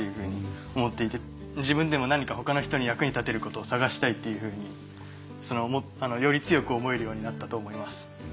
自分でも何かほかの人の役に立てることを探したいっていうふうにより強く思えるようになったと思います。